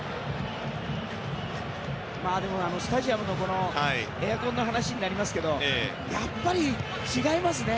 スタジアムのエアコンの話になりますがやっぱり違いますね。